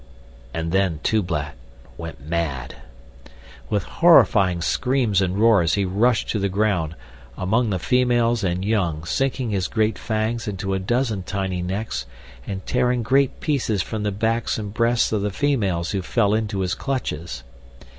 And then Tublat went mad. With horrifying screams and roars he rushed to the ground, among the females and young, sinking his great fangs into a dozen tiny necks and tearing great pieces from the backs and breasts of the females who fell into his clutches.